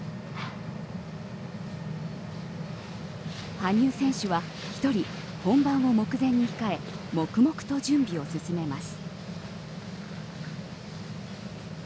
羽生選手は１人本番を目前に控え黙々と準備を進めます。